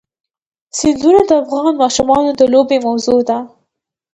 سیندونه د افغان ماشومانو د لوبو موضوع ده.